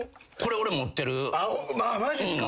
マジっすか？